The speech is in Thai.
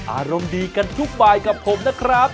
อารมณ์ดีกันทุกบายกับผมนะครับ